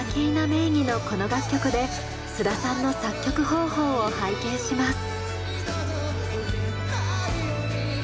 名義のこの楽曲で須田さんの作曲方法を拝見します。